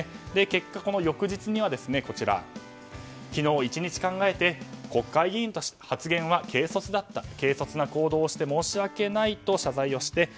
結果、この翌日には昨日１日考えて国会議員として発言は軽率だった軽率な行動をして申し訳ないと謝罪をして。